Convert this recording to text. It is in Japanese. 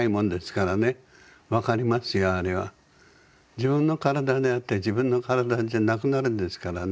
自分の体であって自分の体じゃなくなるんですからね。